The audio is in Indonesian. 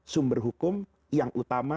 sumber hukum yang utama